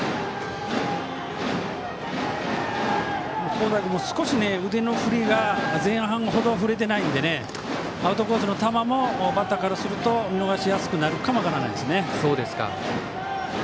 香西君も腕の振りが前半ほど振れてないのでアウトコースの球もバッターからすると見逃しやすくなるかも分からないですね。